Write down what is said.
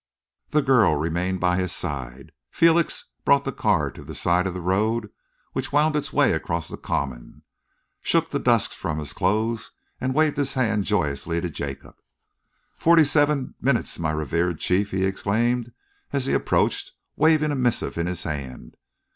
The girl remained by his side. Felix brought the car to the side of the road which wound its way across the common, shook the dust from his clothes and waved his hand joyously to Jacob. "Forty seven minutes, my revered chief!" he exclaimed, as he approached, waving a missive in his hand.